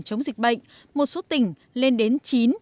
chống dịch bệnh một số tỉnh lên đến chín một mươi